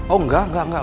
oh enggak enggak enggak